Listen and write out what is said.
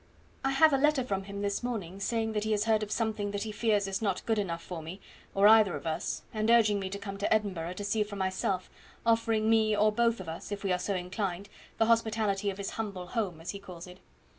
"I have a letter from him this morning, saying that he has heard of something that he fears is not good enough for me, or either of us, and urging me to come to Edinburgh, to see for myself, offering me or both of us, if we are so inclined, the hospitality of his humble home, as he calls it.